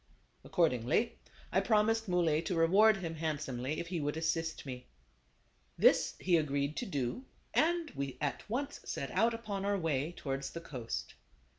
Accordingly, I promised Muley to reward him handsomely if he would assist me. This he agreed to do, and we at once set out upon our way towards the coast.